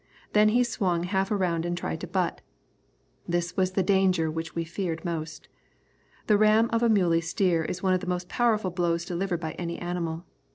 Then he swung half around and tried to butt. This was the danger which we feared most. The ram of a muley steer is one of the most powerful blows delivered by any animal.